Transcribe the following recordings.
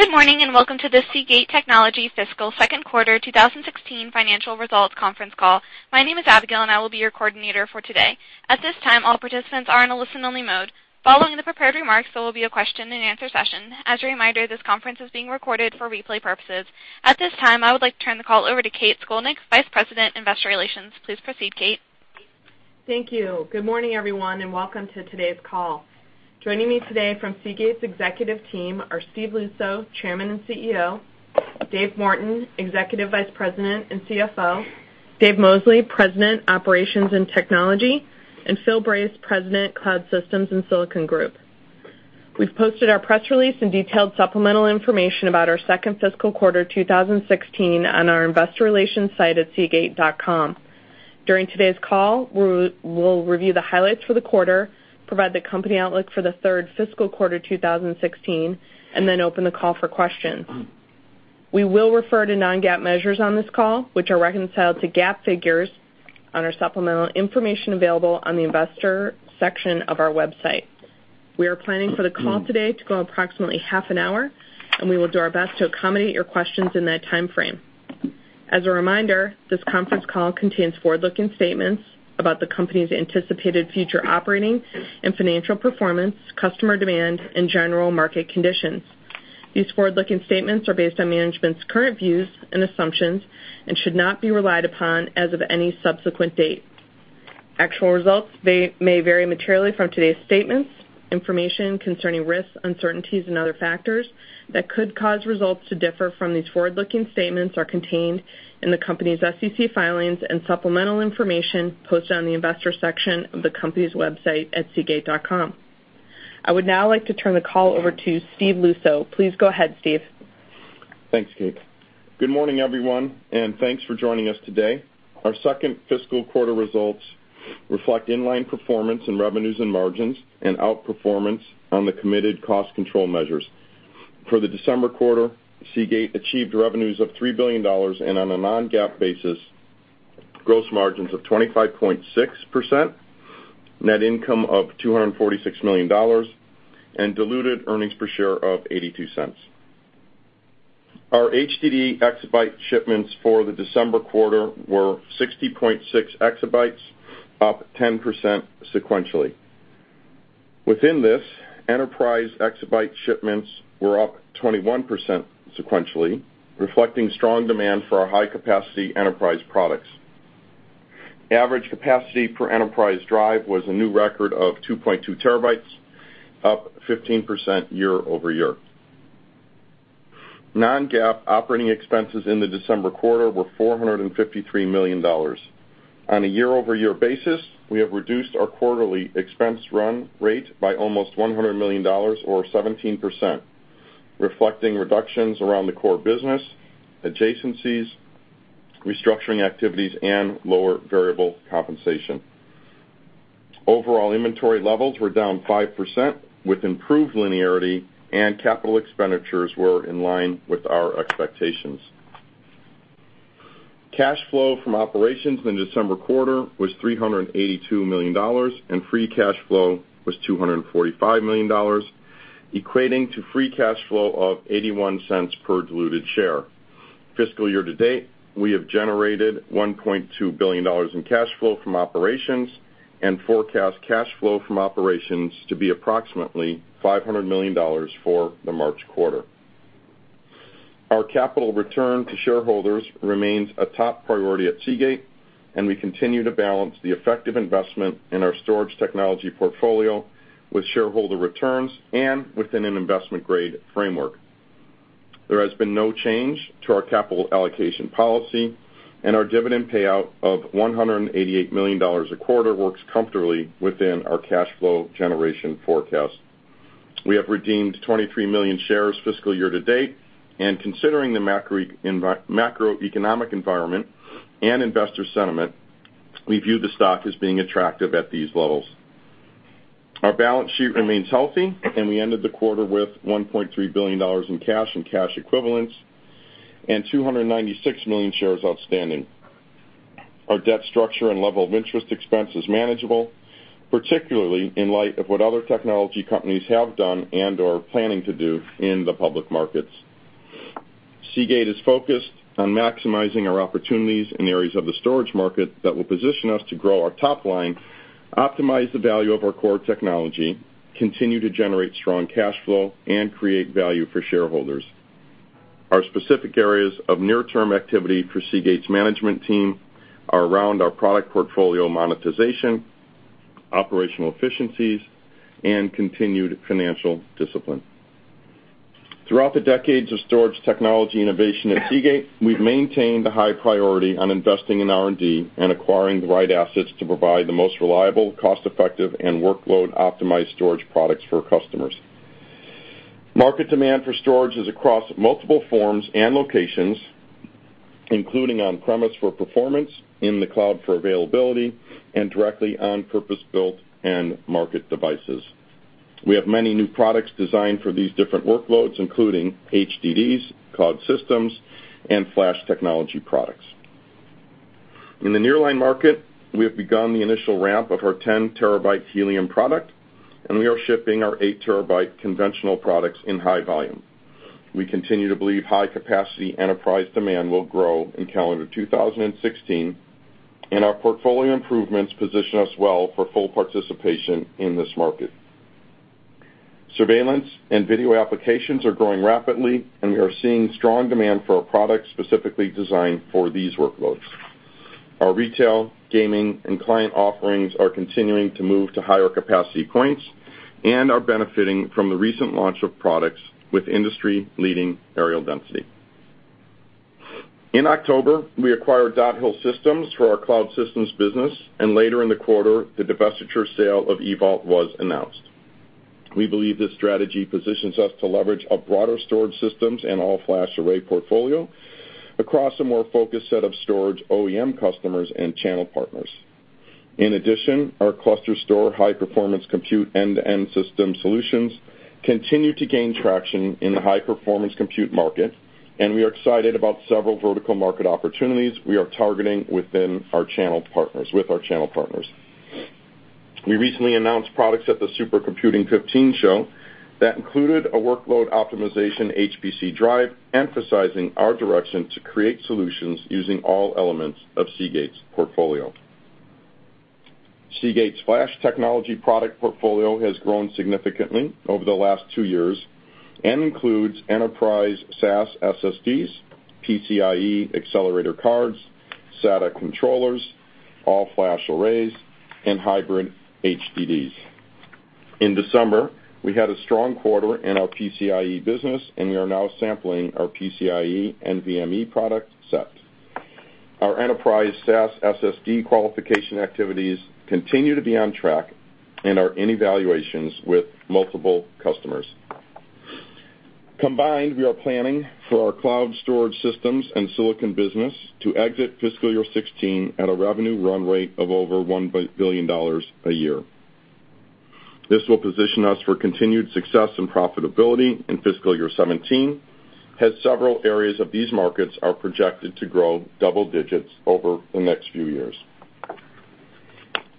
Good morning, welcome to the Seagate Technology fiscal second quarter 2016 financial results conference call. My name is Abigail, I will be your coordinator for today. At this time, all participants are in a listen-only mode. Following the prepared remarks, there will be a question-and-answer session. As a reminder, this conference is being recorded for replay purposes. At this time, I would like to turn the call over to Kathryn Scolnick, Vice President, Investor Relations. Please proceed, Kate. Thank you. Good morning, everyone, welcome to today's call. Joining me today from Seagate's executive team are Steve Luczo, Chairman and CEO; Dave Morton, Executive Vice President and CFO; Dave Mosley, President, Operations and Technology; Phil Brace, President, Cloud Systems and Silicon Group. We've posted our press release and detailed supplemental information about our second fiscal quarter 2016 on our investor relations site at seagate.com. During today's call, we'll review the highlights for the quarter, provide the company outlook for the third fiscal quarter 2016, open the call for questions. We will refer to non-GAAP measures on this call, which are reconciled to GAAP figures on our supplemental information available on the investor section of our website. We are planning for the call today to go approximately half an hour, we will do our best to accommodate your questions in that timeframe. As a reminder, this conference call contains forward-looking statements about the company's anticipated future operating and financial performance, customer demand, general market conditions. These forward-looking statements are based on management's current views and assumptions should not be relied upon as of any subsequent date. Actual results may vary materially from today's statements. Information concerning risks, uncertainties, other factors that could cause results to differ from these forward-looking statements are contained in the company's SEC filings and supplemental information posted on the investor section of the company's website at seagate.com. I would now like to turn the call over to Steve Luczo. Please go ahead, Steve. Thanks, Kate. Good morning, everyone, thanks for joining us today. Our second fiscal quarter results reflect in-line performance in revenues and margins outperformance on the committed cost control measures. For the December quarter, Seagate achieved revenues of $3 billion, on a non-GAAP basis, gross margins of 25.6%, net income of $246 million, diluted earnings per share of $0.82. Our HDD exabyte shipments for the December quarter were 60.6 exabytes, up 10% sequentially. Within this, enterprise exabyte shipments were up 21% sequentially, reflecting strong demand for our high-capacity enterprise products. Average capacity per enterprise drive was a new record of 2.2 terabytes, up 15% year-over-year. Non-GAAP operating expenses in the December quarter were $453 million. On a year-over-year basis, we have reduced our quarterly expense run rate by almost $100 million or 17%, reflecting reductions around the core business, adjacencies, restructuring activities, lower variable compensation. Overall inventory levels were down 5% with improved linearity. Capital expenditures were in line with our expectations. Cash flow from operations in the December quarter was $382 million. Free cash flow was $245 million, equating to free cash flow of $0.81 per diluted share. Fiscal year to date, we have generated $1.2 billion in cash flow from operations. Forecast cash flow from operations to be approximately $500 million for the March quarter. Our capital return to shareholders remains a top priority at Seagate. We continue to balance the effective investment in our storage technology portfolio with shareholder returns and within an investment-grade framework. There has been no change to our capital allocation policy. Our dividend payout of $188 million a quarter works comfortably within our cash flow generation forecast. We have redeemed 23 million shares fiscal year to date. Considering the macroeconomic environment and investor sentiment, we view the stock as being attractive at these levels. Our balance sheet remains healthy. We ended the quarter with $1.3 billion in cash and cash equivalents and 296 million shares outstanding. Our debt structure and level of interest expense is manageable, particularly in light of what other technology companies have done and are planning to do in the public markets. Seagate is focused on maximizing our opportunities in areas of the storage market that will position us to grow our top line, optimize the value of our core technology, continue to generate strong cash flow, and create value for shareholders. Our specific areas of near-term activity for Seagate's management team are around our product portfolio monetization, operational efficiencies, and continued financial discipline. Throughout the decades of storage technology innovation at Seagate, we've maintained a high priority on investing in R&D and acquiring the right assets to provide the most reliable, cost-effective, and workload-optimized storage products for customers. Market demand for storage is across multiple forms and locations, including on-premise for performance, in the cloud for availability, and directly on purpose-built and market devices. We have many new products designed for these different workloads, including HDDs, cloud systems, and flash technology products. In the nearline market, we have begun the initial ramp of our 10 terabyte helium product. We are shipping our 8 terabyte conventional products in high volume. We continue to believe high-capacity enterprise demand will grow in calendar 2016. Our portfolio improvements position us well for full participation in this market. Surveillance and video applications are growing rapidly. We are seeing strong demand for our products specifically designed for these workloads. Our retail, gaming, and client offerings are continuing to move to higher capacity points and are benefiting from the recent launch of products with industry-leading aerial density. In October, we acquired Dot Hill Systems for our cloud systems business. Later in the quarter, the divestiture sale of EVault was announced. We believe this strategy positions us to leverage a broader storage systems and all-flash array portfolio across a more focused set of storage OEM customers and channel partners. In addition, our ClusterStor high-performance compute end-to-end system solutions continue to gain traction in the high-performance compute market. We are excited about several vertical market opportunities we are targeting with our channel partners. We recently announced products at the SuperComputing 15 show that included a workload optimization HPC drive, emphasizing our direction to create solutions using all elements of Seagate's portfolio. Seagate's flash technology product portfolio has grown significantly over the last two years and includes enterprise SAS SSDs, PCIe accelerator cards, SATA controllers, all-flash arrays, and hybrid HDDs. In December, we had a strong quarter in our PCIe business, and we are now sampling our PCIe NVMe product set. Our enterprise SAS SSD qualification activities continue to be on track and are in evaluations with multiple customers. Combined, we are planning for our cloud storage systems and silicon business to exit fiscal year 2016 at a revenue run rate of over $1 billion a year. This will position us for continued success and profitability in fiscal year 2017, as several areas of these markets are projected to grow double digits over the next few years.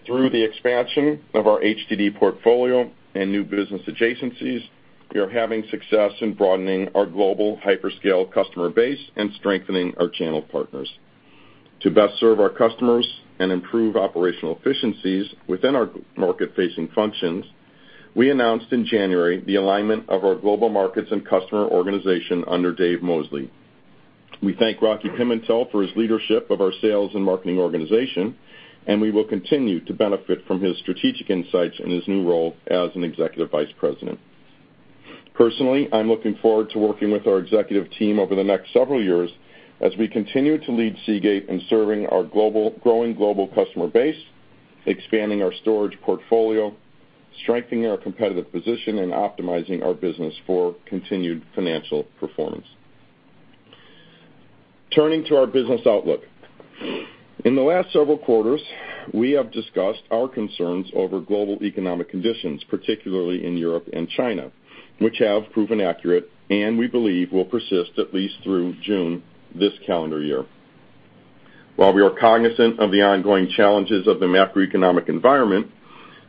Through the expansion of our HDD portfolio and new business adjacencies, we are having success in broadening our global hyperscale customer base and strengthening our channel partners. To best serve our customers and improve operational efficiencies within our market-facing functions, we announced in January the alignment of our global markets and customer organization under Dave Mosley. We thank Rocky Pimentel for his leadership of our sales and marketing organization, and we will continue to benefit from his strategic insights in his new role as an Executive Vice President. Personally, I'm looking forward to working with our executive team over the next several years as we continue to lead Seagate in serving our growing global customer base, expanding our storage portfolio, strengthening our competitive position, and optimizing our business for continued financial performance. Turning to our business outlook. In the last several quarters, we have discussed our concerns over global economic conditions, particularly in Europe and China, which have proven accurate and we believe will persist at least through June this calendar year. While we are cognizant of the ongoing challenges of the macroeconomic environment,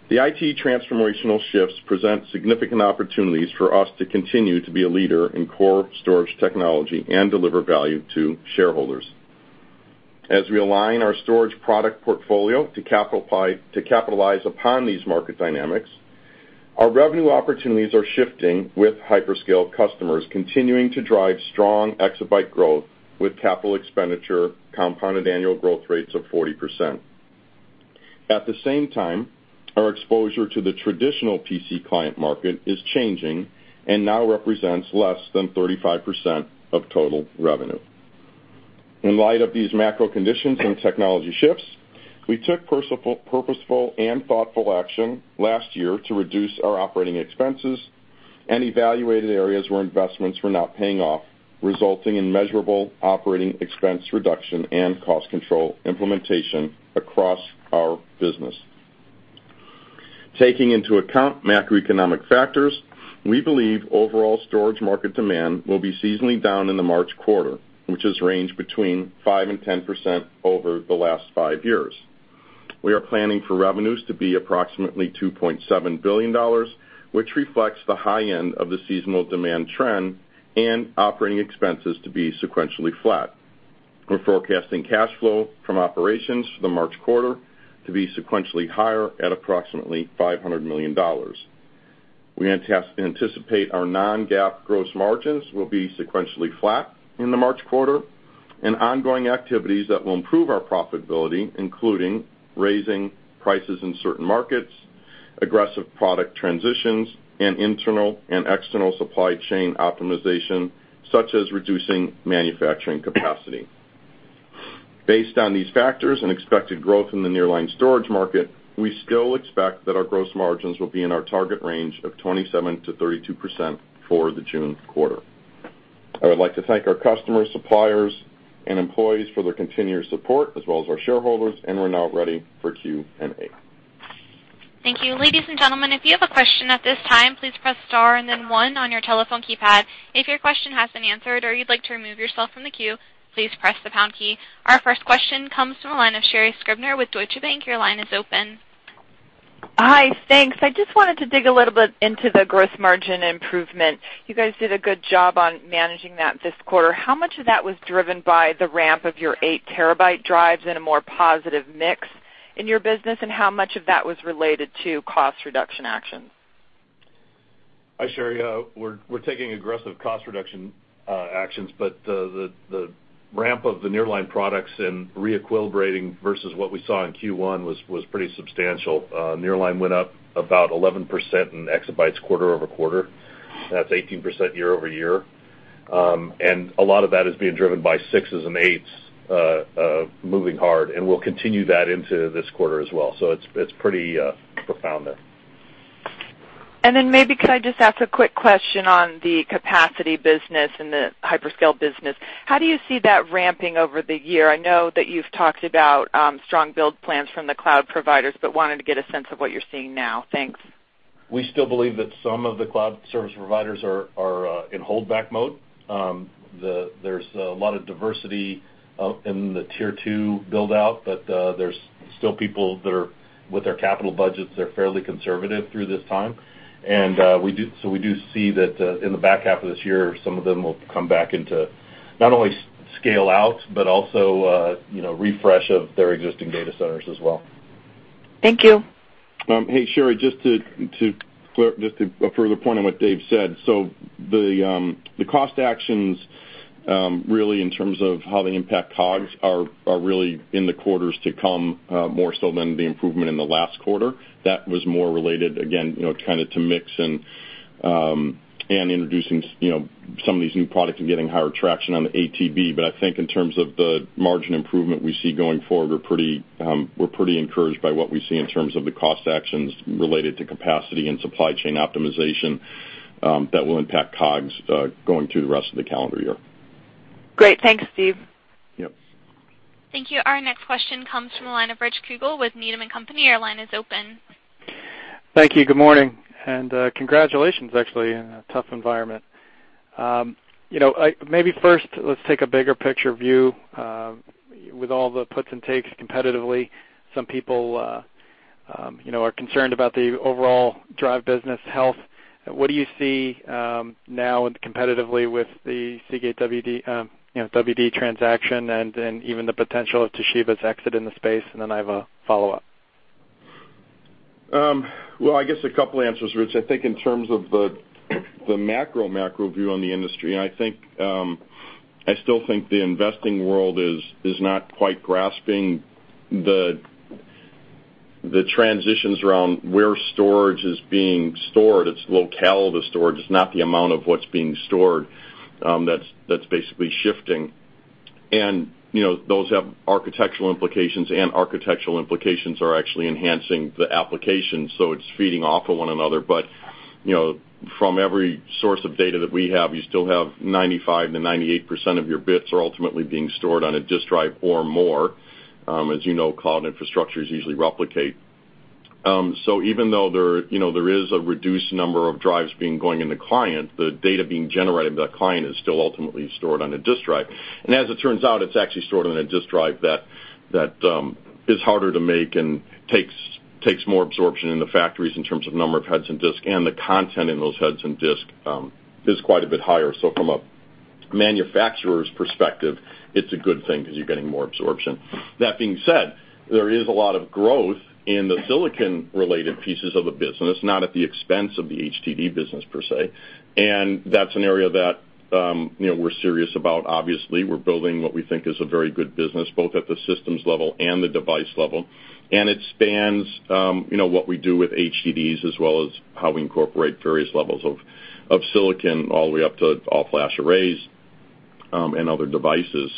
the IT transformational shifts present significant opportunities for us to continue to be a leader in core storage technology and deliver value to shareholders. As we align our storage product portfolio to capitalize upon these market dynamics, our revenue opportunities are shifting, with hyperscale customers continuing to drive strong exabyte growth with capital expenditure compounded annual growth rates of 40%. At the same time, our exposure to the traditional PC client market is changing and now represents less than 35% of total revenue. In light of these macro conditions and technology shifts, we took purposeful and thoughtful action last year to reduce our operating expenses and evaluated areas where investments were not paying off, resulting in measurable operating expense reduction and cost control implementation across our business. Taking into account macroeconomic factors, we believe overall storage market demand will be seasonally down in the March quarter, which has ranged between 5% and 10% over the last five years. We are planning for revenues to be approximately $2.7 billion, which reflects the high end of the seasonal demand trend, and operating expenses to be sequentially flat. We're forecasting cash flow from operations for the March quarter to be sequentially higher at approximately $500 million. We anticipate our non-GAAP gross margins will be sequentially flat in the March quarter and ongoing activities that will improve our profitability, including raising prices in certain markets, aggressive product transitions, and internal and external supply chain optimization, such as reducing manufacturing capacity. Based on these factors and expected growth in the Nearline storage market, we still expect that our gross margins will be in our target range of 27%-32% for the June quarter. I would like to thank our customers, suppliers, and employees for their continued support, as well as our shareholders, and we're now ready for Q&A. Thank you. Ladies and gentlemen, if you have a question at this time, please press star and then one on your telephone keypad. If your question has been answered or you'd like to remove yourself from the queue, please press the pound key. Our first question comes from the line of Sherri Scribner with Deutsche Bank. Your line is open. Hi, thanks. I just wanted to dig a little bit into the gross margin improvement. You guys did a good job on managing that this quarter. How much of that was driven by the ramp of your eight terabyte drives in a more positive mix in your business, and how much of that was related to cost reduction actions? Hi, Sherri. We're taking aggressive cost reduction actions, but the ramp of the Nearline products and re-equilibrating versus what we saw in Q1 was pretty substantial. Nearline went up about 11% in exabytes quarter-over-quarter. That's 18% year-over-year. A lot of that is being driven by sixes and eights, moving hard, and we'll continue that into this quarter as well. It's pretty profound there. Maybe, could I just ask a quick question on the capacity business and the hyperscale business? How do you see that ramping over the year? I know that you've talked about strong build plans from the cloud providers, wanted to get a sense of what you're seeing now. Thanks. We still believe that some of the cloud service providers are in holdback mode. There's a lot of diversity in the tier 2 build-out, there's still people that are, with their capital budgets, are fairly conservative through this time. We do see that in the back half of this year, some of them will come back into not only scale out, but also refresh of their existing data centers as well. Thank you. Hey, Sherri, just to further point on what Dave said, the cost actions, really in terms of how they impact COGS, are really in the quarters to come, more so than the improvement in the last quarter. That was more related, again, to mix and introducing some of these new products and getting higher traction on the ATB. I think in terms of the margin improvement we see going forward, we're pretty encouraged by what we see in terms of the cost actions related to capacity and supply chain optimization that will impact COGS going through the rest of the calendar year. Great. Thanks, Steve. Yep. Thank you. Our next question comes from the line of Richard Kugele with Needham & Company. Your line is open. Thank you. Good morning, and congratulations, actually, in a tough environment. Maybe first, let's take a bigger picture view. With all the puts and takes competitively, some people are concerned about the overall drive business health. What do you see now competitively with the Seagate WD transaction and then even the potential of Toshiba's exit in the space? I have a follow-up. Well, I guess a couple answers, Rich. I think in terms of the macro view on the industry, I still think the investing world is not quite grasping the transitions around where storage is being stored. It's locale of the storage, it's not the amount of what's being stored that's basically shifting. Those have architectural implications, and architectural implications are actually enhancing the application, so it's feeding off of one another. From every source of data that we have, you still have 95%-98% of your bits are ultimately being stored on a disk drive or more. As you know, cloud infrastructures easily replicate. Even though there is a reduced number of drives going in the client, the data being generated by that client is still ultimately stored on a disk drive. As it turns out, it's actually stored on a disk drive that is harder to make and takes more absorption in the factories in terms of number of heads and disk, and the content in those heads and disk is quite a bit higher. From a manufacturer's perspective, it's a good thing because you're getting more absorption. That being said, there is a lot of growth in the silicon-related pieces of the business, not at the expense of the HDD business, per se. That's an area that we're serious about, obviously. We're building what we think is a very good business, both at the systems level and the device level. It spans what we do with HDDs as well as how we incorporate various levels of silicon all the way up to all-flash arrays and other devices.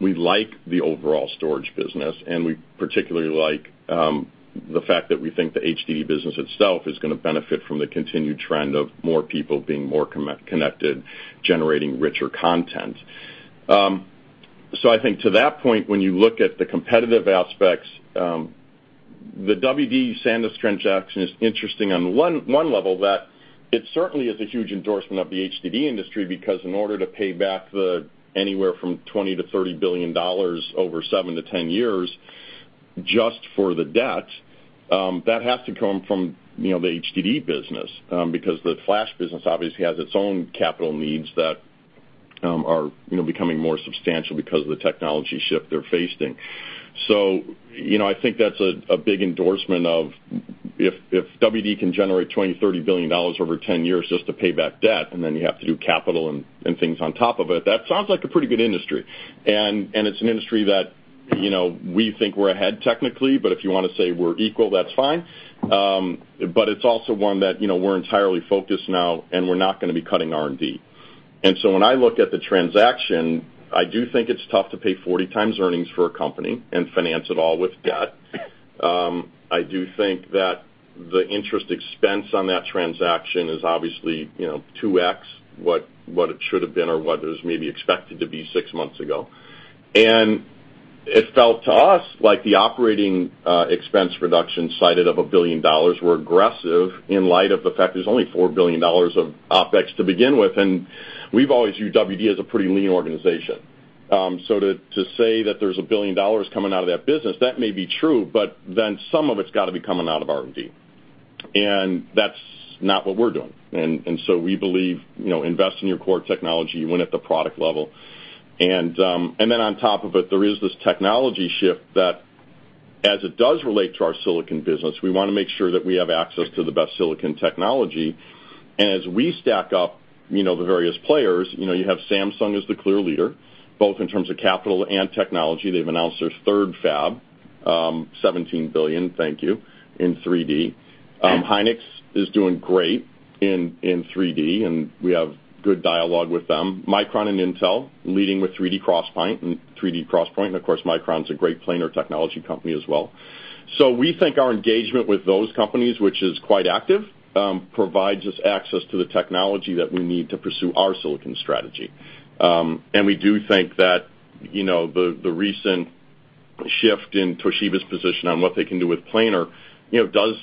We like the overall storage business, and we particularly like the fact that we think the HDD business itself is going to benefit from the continued trend of more people being more connected, generating richer content. I think to that point, when you look at the competitive aspects, the WD SanDisk transaction is interesting on one level, that it certainly is a huge endorsement of the HDD industry, because in order to pay back anywhere from $20 billion to $30 billion over 7 to 10 years just for the debt, that has to come from the HDD business. The flash business obviously has its own capital needs that are becoming more substantial because of the technology shift they're facing. I think that's a big endorsement of if WD can generate $20 billion, $30 billion over 10 years just to pay back debt, and then you have to do capital and things on top of it, that sounds like a pretty good industry. It's an industry that we think we're ahead technically, but if you want to say we're equal, that's fine. It's also one that we're entirely focused now, and we're not going to be cutting R&D. When I look at the transaction, I do think it's tough to pay 40 times earnings for a company and finance it all with debt. I do think that the interest expense on that transaction is obviously 2x what it should have been or what it was maybe expected to be six months ago. It felt to us like the operating expense reduction cited of $1 billion were aggressive in light of the fact there's only $4 billion of OpEx to begin with. We've always viewed WD as a pretty lean organization. To say that there's $1 billion coming out of that business, that may be true, but then some of it's got to be coming out of R&D, and that's not what we're doing. We believe, invest in your core technology, win at the product level. Then on top of it, there is this technology shift that as it does relate to our silicon business, we want to make sure that we have access to the best silicon technology. As we stack up the various players, you have Samsung as the clear leader, both in terms of capital and technology. They've announced their third fab, $17 billion, thank you, in 3D. Hynix is doing great in 3D. We have good dialogue with them. Micron and Intel leading with 3D XPoint and 3D XPoint. Of course, Micron is a great planar technology company as well. We think our engagement with those companies, which is quite active, provides us access to the technology that we need to pursue our silicon strategy. We do think that the recent shift in Toshiba's position on what they can do with planar does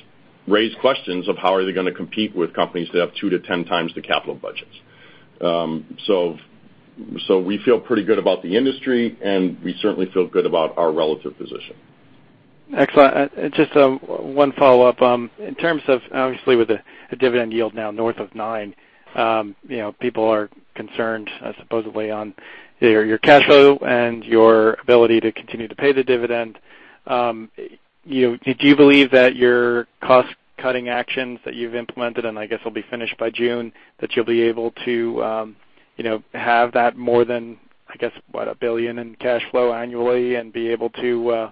raise questions of how are they going to compete with companies that have 2 to 10 times the capital budgets. We feel pretty good about the industry, and we certainly feel good about our relative position. Excellent. Just one follow-up. In terms of, obviously, with the dividend yield now north of nine, people are concerned supposedly on your cash flow and your ability to continue to pay the dividend. Do you believe that your cost-cutting actions that you've implemented, and I guess will be finished by June, that you'll be able to have that more than, I guess, what, $1 billion in cash flow annually and be able to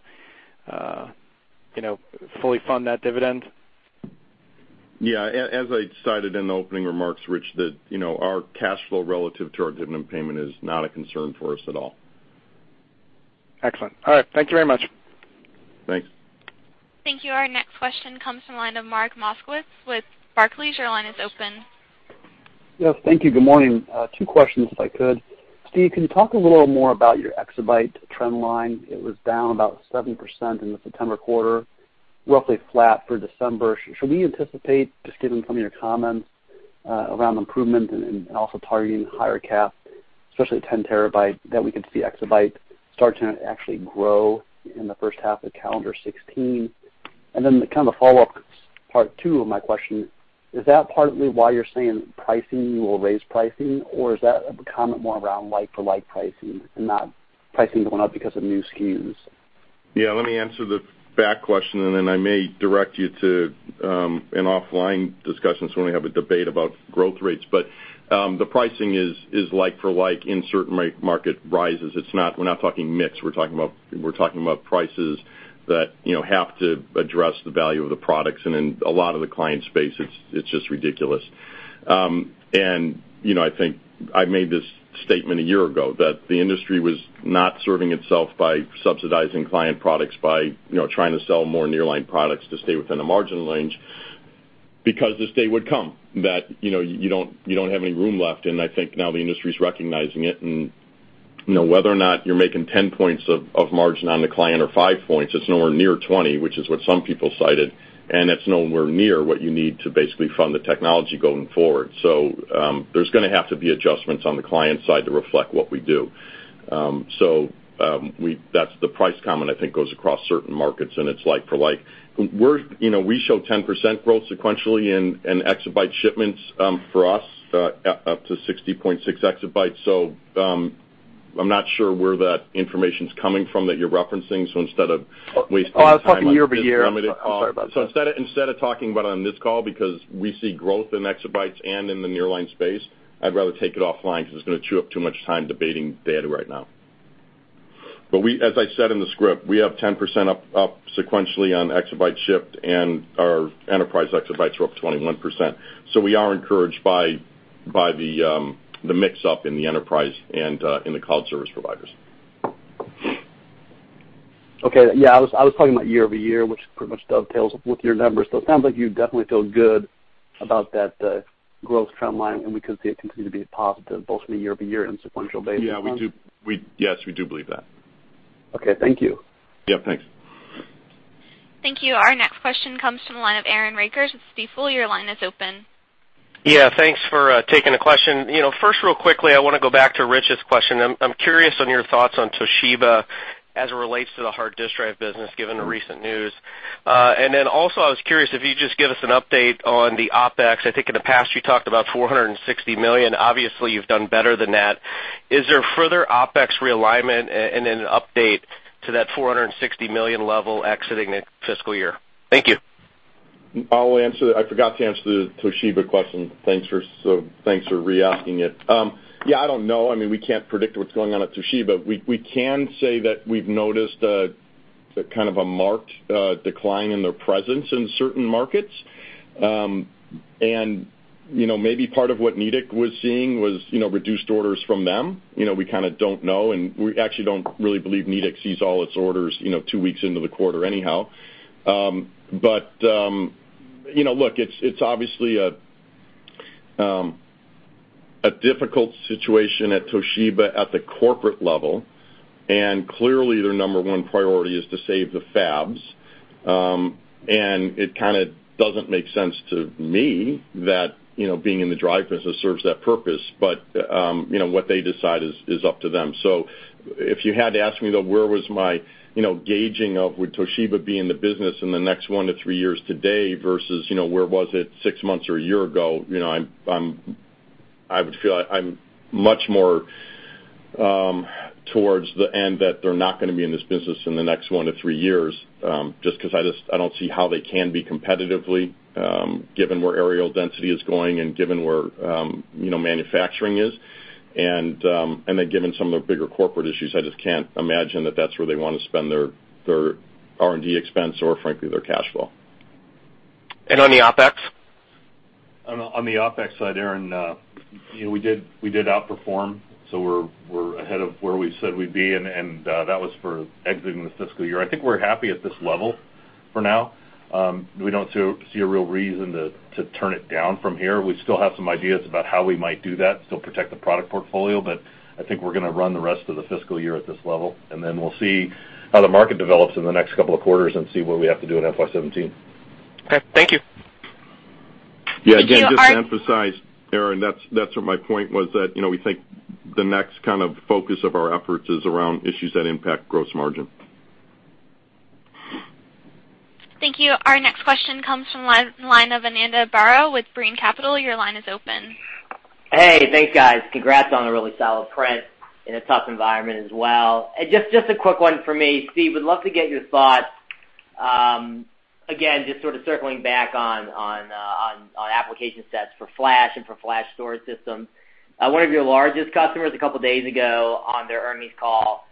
fully fund that dividend? Yeah. As I cited in the opening remarks, Rich, that our cash flow relative to our dividend payment is not a concern for us at all. Excellent. All right. Thank you very much. Thanks. Thank you. Our next question comes from the line of Mark Moskowitz with Barclays. Your line is open. Yes, thank you. Good morning. Two questions, if I could. Steve, can you talk a little more about your exabyte trend line? It was down about 7% in the September quarter, roughly flat for December. Should we anticipate, just given some of your comments around improvement and also targeting higher cap, especially at 10 terabyte, that we could see exabyte start to actually grow in the first half of calendar 2016? The follow-up part two of my question, is that partly why you're saying pricing, you will raise pricing, or is that a comment more around like-for-like pricing and not pricing going up because of new SKUs? Yeah, let me answer the back question. I may direct you to an offline discussion, we have a debate about growth rates. The pricing is like for like in certain market rises. We're not talking mix. We're talking about prices that have to address the value of the products, in a lot of the client space, it's just ridiculous. I think I made this statement a year ago that the industry was not serving itself by subsidizing client products, by trying to sell more Nearline products to stay within the margin range because this day would come that you don't have any room left. I think now the industry is recognizing it. Whether or not you're making 10 points of margin on the client or five points, it's nowhere near 20, which is what some people cited. It's nowhere near what you need to basically fund the technology going forward. There's going to have to be adjustments on the client side to reflect what we do. That's the price comment I think goes across certain markets, and it's like for like. We show 10% growth sequentially in exabyte shipments for us, up to 60.6 exabytes. I'm not sure where that information is coming from that you're referencing, instead of wasting time on this call. I was talking year-over-year. Sorry about that. Instead of talking about it on this call, because we see growth in exabytes and in the nearline space, I would rather take it offline because it is going to chew up too much time debating data right now. As I said in the script, we have 10% up sequentially on exabyte shipped, and our enterprise exabytes were up 21%. We are encouraged by the mix-up in the enterprise and in the cloud service providers. Okay. Yeah, I was talking about year-over-year, which pretty much dovetails with your numbers. It sounds like you definitely feel good about that growth trend line, and we could see it continue to be positive both from a year-over-year and sequential basis. Yes, we do believe that. Okay, thank you. Yeah, thanks. Thank you. Our next question comes from the line of Aaron Rakers with Stifel. Your line is open. Yeah, thanks for taking the question. First, real quickly, I want to go back to Rich's question. I'm curious on your thoughts on Toshiba as it relates to the hard disk drive business, given the recent news. Then also, I was curious if you'd just give us an update on the OpEx. I think in the past, you talked about $460 million. Obviously, you've done better than that. Is there further OpEx realignment and an update to that $460 million level exiting next fiscal year? Thank you. I forgot to answer the Toshiba question. Thanks for re-asking it. Yeah, I don't know. We can't predict what's going on at Toshiba. We can say that we've noticed a marked decline in their presence in certain markets. Maybe part of what Nidec was seeing was reduced orders from them. We don't know, and we actually don't really believe Nidec sees all its orders two weeks into the quarter anyhow. Look, it's obviously a difficult situation at Toshiba at the corporate level, and clearly, their number one priority is to save the fabs. It doesn't make sense to me that being in the drive business serves that purpose, but what they decide is up to them. If you had to ask me, though, where was my gauging of would Toshiba be in the business in the next one to three years today versus where was it six months or a year ago, I would feel I'm much more towards the end that they're not going to be in this business in the next one to three years, just because I don't see how they can be competitively, given where aerial density is going and given where manufacturing is. Given some of the bigger corporate issues, I just can't imagine that that's where they want to spend their R&D expense or frankly, their cash flow. On the OpEx? On the OpEx side, Aaron, we did outperform, so we're ahead of where we said we'd be, and that was for exiting the fiscal year. I think we're happy at this level for now. We don't see a real reason to turn it down from here. We still have some ideas about how we might do that to still protect the product portfolio, but I think we're going to run the rest of the fiscal year at this level, and then we'll see how the market develops in the next couple of quarters and see what we have to do in FY '17. Okay. Thank you. Yeah. Again, just to emphasize, Aaron, that is what my point was, that we think the next focus of our efforts is around issues that impact gross margin. Thank you. Our next question comes from the line of Ananda Baruah with Brean Capital. Your line is open. Hey, thanks, guys. Congrats on a really solid print in a tough environment as well. Just a quick one for me. Steve, would love to get your thoughts, again, just sort of circling back on application sets for flash and for flash storage systems. One of your largest customers a couple of days ago on their earnings call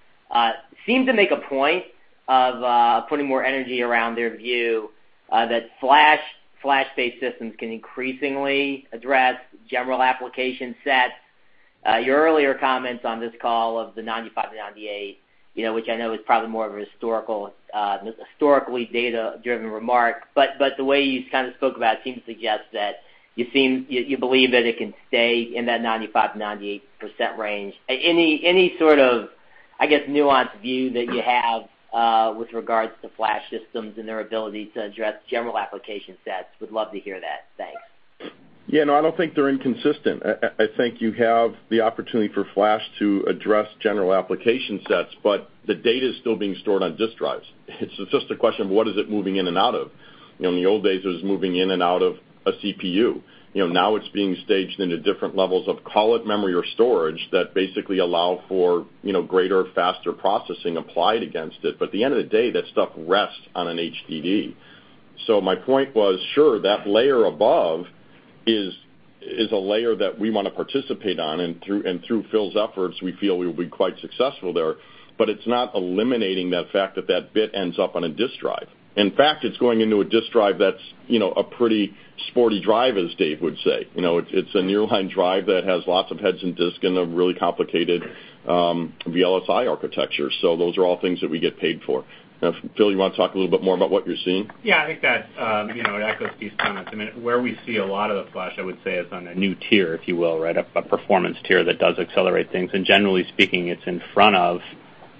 seemed to make a point of putting more energy around their view that flash-based systems can increasingly address general application sets. Your earlier comments on this call of the 95%-98%, which I know is probably more of a historically data-driven remark, but the way you spoke about it seems to suggest that you believe that it can stay in that 95%-98% range. Any sort of, I guess, nuanced view that you have with regards to flash systems and their ability to address general application sets? Would love to hear that. Thanks. No, I don't think they're inconsistent. I think you have the opportunity for flash to address general application sets, but the data is still being stored on disk drives. It's just a question of what is it moving in and out of. In the old days, it was moving in and out of a CPU. Now it's being staged into different levels of call it memory or storage that basically allow for greater, faster processing applied against it. At the end of the day, that stuff rests on an HDD. My point was, sure, that layer above is a layer that we want to participate on, and through Phil's efforts, we feel we'll be quite successful there, but it's not eliminating the fact that bit ends up on a disk drive. In fact, it's going into a disk drive that's a pretty sporty drive, as Dave would say. It's a nearline drive that has lots of heads and disk and a really complicated VLSI architecture. Those are all things that we get paid for. Phil, you want to talk a little bit more about what you're seeing? I think that echoes Steve's comments. Where we see a lot of the flash, I would say, is on a new tier, if you will, a performance tier that does accelerate things. Generally speaking, it's in front of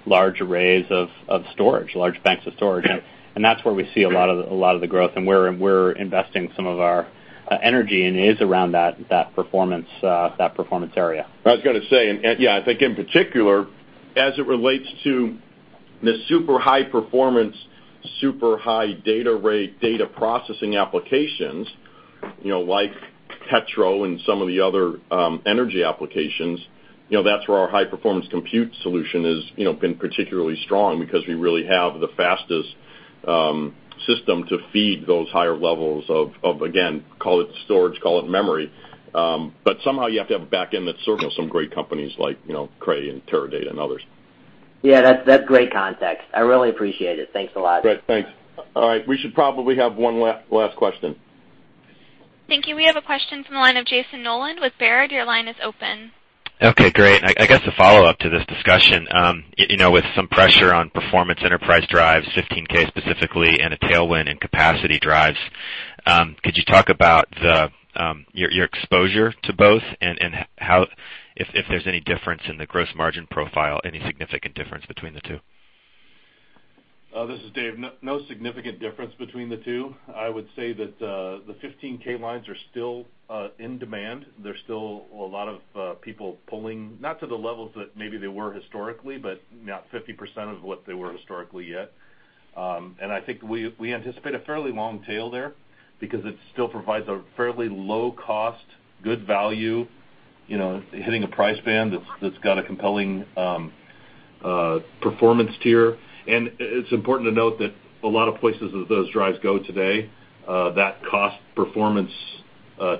large arrays of storage, large banks of storage. That's where we see a lot of the growth and where we're investing some of our energy, and it is around that performance area. I was going to say, yeah, I think in particular, as it relates to the super high performance, super high data rate data processing applications like Petro and some of the other energy applications, that's where our high-performance compute solution has been particularly strong because we really have the fastest system to feed those higher levels of, again, call it storage, call it memory. Somehow you have to have a back end that serves some great companies like Cray and Teradata and others. That's great context. I really appreciate it. Thanks a lot. Great. Thanks. All right. We should probably have one last question. Thank you. We have a question from the line of Jayson Noland with Baird. Your line is open. Okay, great. I guess a follow-up to this discussion. With some pressure on performance enterprise drives, 15K specifically, and a tailwind in capacity drives, could you talk about your exposure to both and if there's any difference in the gross margin profile, any significant difference between the two? This is Dave. No significant difference between the two. I would say that the 15K lines are still in demand. There's still a lot of people pulling, not to the levels that maybe they were historically, but not 50% of what they were historically yet. I think we anticipate a fairly long tail there because it still provides a fairly low cost, good value, hitting a price band that's got a compelling performance tier. It's important to note that a lot of places that those drives go today, that cost performance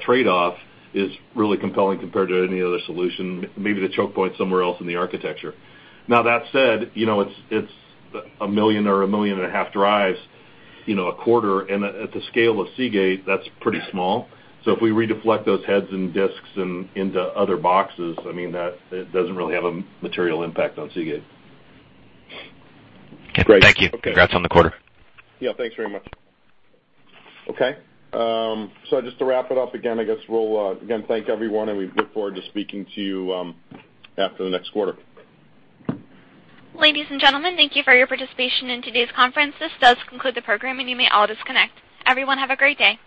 trade-off is really compelling compared to any other solution. Maybe the choke point's somewhere else in the architecture. Now, that said, it's 1 million or 1.5 million drives a quarter, and at the scale of Seagate, that's pretty small. If we re-deflect those heads and disks into other boxes, it doesn't really have a material impact on Seagate. Great. Thank you. Okay. Congrats on the quarter. Yeah, thanks very much. Okay. Just to wrap it up again, I guess we'll again thank everyone, and we look forward to speaking to you after the next quarter. Ladies and gentlemen, thank you for your participation in today's conference. This does conclude the program, and you may all disconnect. Everyone, have a great day.